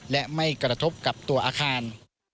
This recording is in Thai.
และไม่กระทบกับตัวอาคาร